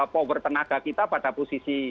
power tenaga kita pada posisi